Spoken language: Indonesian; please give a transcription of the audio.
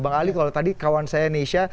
bang ali kalau tadi kawan saya nesha